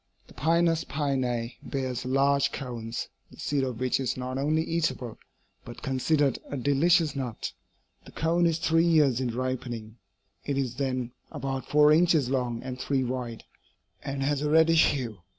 The Pinus pinea bears large cones, the seed of which is not only eatable, but considered a delicious nut. The cone is three years in ripening; it is then about four inches long and three wide, and has a reddish hue.